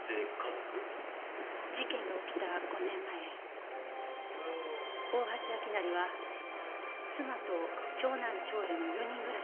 事件が起きた５年前大橋明成は妻と長男長女の４人暮らしだったわ。